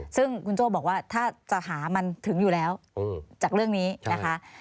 ซึ่งคุณโจ้บอกว่าถ้าจะหามันถึงอยู่แล้วจากเรื่องนี้นะคะ